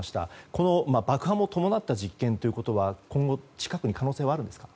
この爆破も伴った実験ということは今後近くに可能性はあるんですか？